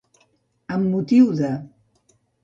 Amb motiu de.